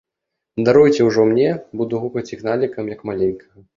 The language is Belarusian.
Даруйце ўжо мне, буду гукаць Ігналікам, як маленькага.